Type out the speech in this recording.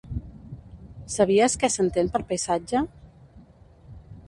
Sabies què s'entén per paisatge?